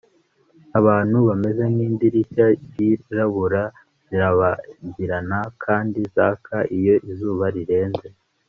abantu bameze nk'idirishya ryirabura zirabagirana kandi zaka iyo izuba rirenze